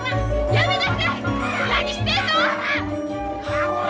やめなさい！